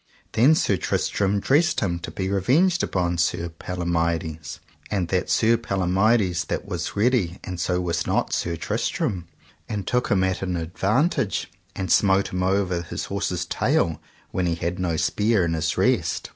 Then Sir Tristram dressed him to be revenged upon Sir Palomides, and that saw Sir Palomides that was ready and so was not Sir Tristram, and took him at an advantage and smote him over his horse's tail when he had no spear in his rest.